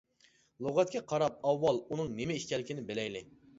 لۇغەتكە قاراپ ئاۋۋال ئۇنىڭ نېمە ئىكەنلىكىنى بىلەيلى.